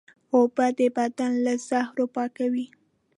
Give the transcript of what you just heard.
اوبه د بدن له زهرو پاکوي